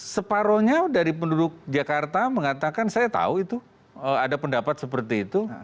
separohnya dari penduduk jakarta mengatakan saya tahu itu ada pendapat seperti itu